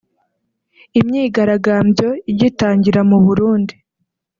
Imyigaragambyo igitangira mu Burundi